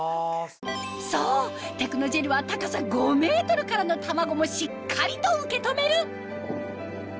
そうテクノジェルは高さ５ｍからの卵もしっかりと受け止める！